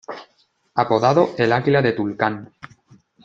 Apodado "El Águila de Tulcán".